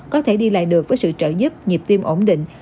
có thể đi lại được với sự trợ giúp nhịp tim ổn định